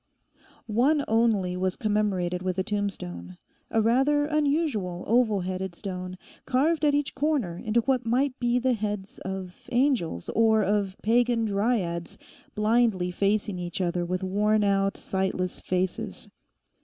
One only was commemorated with a tombstone, a rather unusual oval headed stone, carved at each corner into what might be the heads of angels, or of pagan dryads, blindly facing each other with worn out, sightless faces.